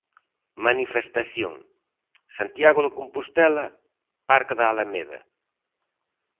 Manifestación: Santiago de Compostela, Parque da Alameda.